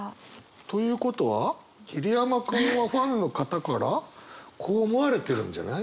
ということは桐山君はファンの方からこう思われてるんじゃない？